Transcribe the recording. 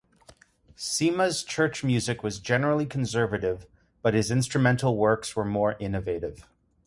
Cima's church music was generally conservative, but his instrumental works were more innovative.